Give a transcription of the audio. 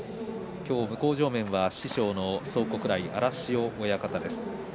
今日、向正面は師匠の蒼国来荒汐親方です。